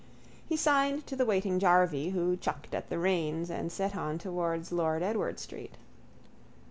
He signed to the waiting jarvey who chucked at the reins and set on towards Lord Edward street.